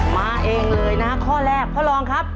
มาเองเลยนะฮะข้อแรกพ่อรองครับ